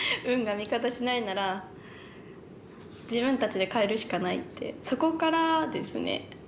運が味方しないなら自分たちで変えるしかないってそこからですね。